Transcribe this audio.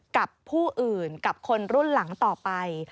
กับผู้อื่นกับคนรุ่นหลังต่อไป